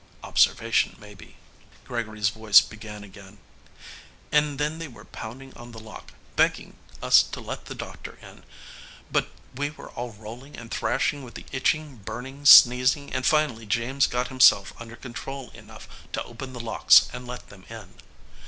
Observation, maybe. Gregory's voice began again, "And then they were pounding on the lock, begging us to let the doctor in, but we were all rolling and thrashing with the itching, burning, sneezing, and finally James got himself under control enough to open the locks and let them in.